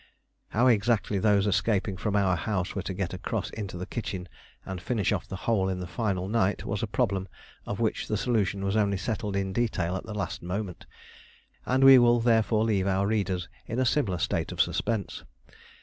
How exactly those escaping from our house were to get across into the kitchen and finish off the hole on the final night was a problem of which the solution was only settled in detail at the last moment, and we will therefore leave our readers in a similar state of suspense.